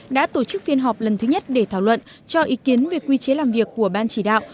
đã tổ chức phiên họp lần thứ nhất để thảo luận cho ý kiến về quy chế làm việc của ban chỉ đạo